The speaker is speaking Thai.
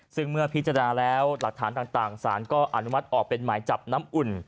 ซึ่งเมื่อพิจารณาแล้วหลักฐานต่างสารก็อนุมัติออกเป็นหมายจับน้ำอุ่น